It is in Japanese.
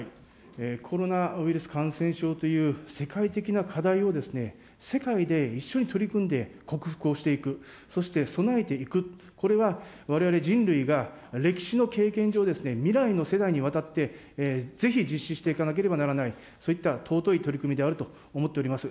コロナウイルス感染症という世界的な課題を世界で一緒に取り組んで克服をしていく、そして備えていく、これはわれわれ人類が歴史の経験上、未来の世代にわたってぜひ実施していかなければならない、そういった尊い取り組みであると思っております。